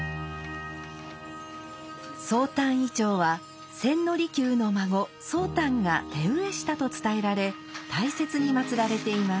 宗旦銀杏は千利休の孫宗旦が手植えしたと伝えられ大切にまつられています。